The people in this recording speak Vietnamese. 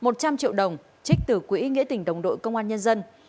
một trăm linh triệu đồng trích từ quỹ nghĩa tỉnh đồng đội công an nhân dân